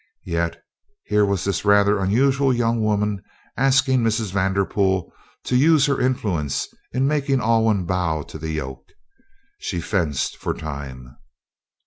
Yet here was this rather unusual young woman asking Mrs. Vanderpool to use her influence in making Alwyn bow to the yoke. She fenced for time.